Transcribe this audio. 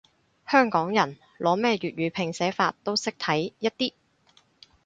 香港人，攞咩粵語拼寫法都識睇一啲